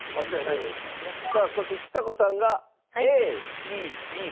さあそしてちさ子さんがＡＣＢとなりました。